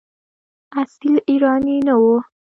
اصیل ایرانی نه وو.